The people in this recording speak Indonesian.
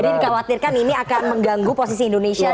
jadi dikhawatirkan ini akan mengganggu posisi indonesia